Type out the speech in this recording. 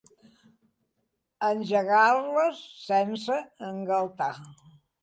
Engegar-les sense engaltar.